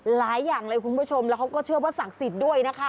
หลายอย่างเลยคุณผู้ชมแล้วเขาก็เชื่อว่าศักดิ์สิทธิ์ด้วยนะคะ